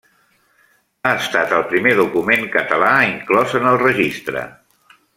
Ha estat el primer document català inclòs en el registre.